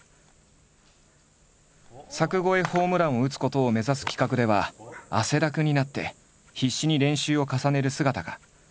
柵越えホームランを打つことを目指す企画では汗だくになって必死に練習を重ねる姿が。